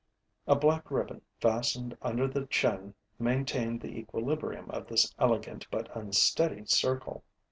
A black ribbon fastened under the chin maintained the equilibrium of this elegant, but unsteady circle.